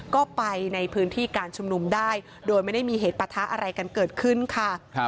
ก็ไปในพื้นที่การชุมนุมได้โดยไม่ได้มีเหตุประทะอะไรกันเกิดขึ้นค่ะ